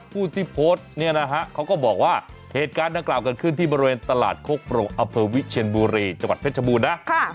พูดที่โพสต์เขาก็บอกว่าเหตุการณ์ดังกล่าวกันขึ้นที่บริเวณตลาดโครกปรุงอัภวิชเชียนบูเรจังหวัดเพชรชมูลนะ